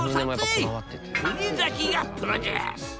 国崎がプロデュース！